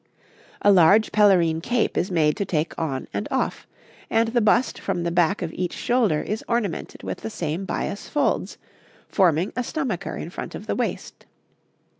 A large pelerine cape is made to take on and off; and the bust from the back of each shoulder is ornamented with the same bias folds, forming a stomacher in front of the waist.